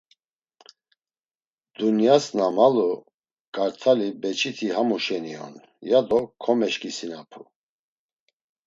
Dunyas na malu kart̆ali beçiti hamu şeni on, yado komeşǩisinapu.